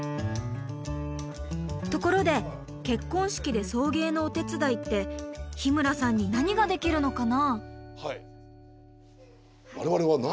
ところで結婚式で送迎のお手伝いって日村さんに何ができるのかな？